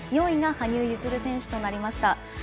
４位が羽生結弦選手となりました。